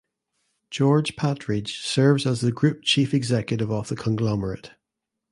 George Patridge serves as the Group Chief Executive of the conglomerate.